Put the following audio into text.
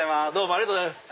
ありがとうございます。